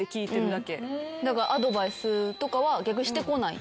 だからアドバイスとかは逆にしてこない。